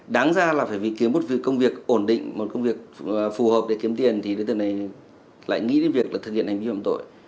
đáng ra vì kiếm một việc ổn định một việc phù hợp để kiếm tiền thì đối tượng này lại nghĩ về việc thực hiện hình ảnh hưởng tội